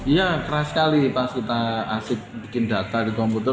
ya keras sekali pas kita asik bikin data di komputer